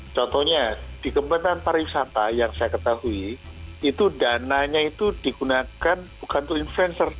contohnya di kementerian pariwisata yang saya ketahui itu dananya itu digunakan bukan untuk influencer